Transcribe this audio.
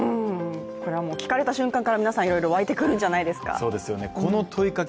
これは聞かれた瞬間からいろいろわいてくるんじゃないですか。